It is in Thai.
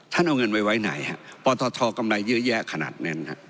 เอาเงินไว้ไหนฮะปทกำไรเยอะแยะขนาดนั้น